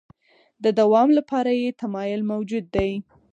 د دوام لپاره یې تمایل موجود دی.